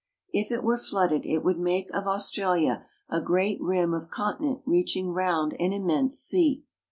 If it were flooded it would make of Australia a great rim of continent reaching round an immense sea.